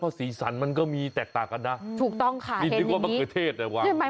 พอสีสันมันก็มีแตกต่ากันนะถูกต้องค่ะเห็นอย่างนี้